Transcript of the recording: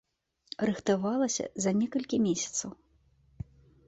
Рыхтавалася за некалькі месяцаў.